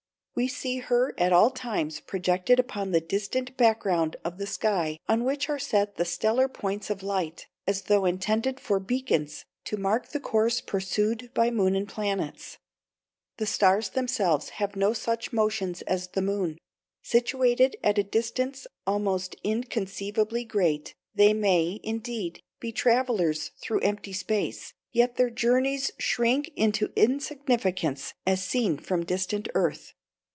We see her at all times projected upon the distant background of the sky on which are set the stellar points of light, as though intended for beacons to mark the course pursued by moon and planets. The stars themselves have no such motions as the moon; situated at a distance almost inconceivably great, they may, indeed, be travellers through empty space, yet their journeys shrink into insignificance as seen from distant earth.